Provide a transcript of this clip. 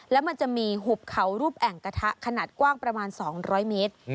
แล้วมันจะมีหุบเขารูปแอ่งกระทะขนาดกว้างประมาณ๒๐๐เมตร